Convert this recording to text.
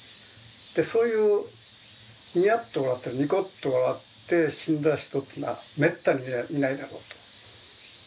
でそういうニヤッと笑ったりニコッと笑って死んだ人っていうのはめったにいないだろうと。